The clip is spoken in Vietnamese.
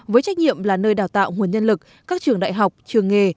với trách nhiệm là nơi đào tạo nguồn nhân lực các trường đại học trường nghề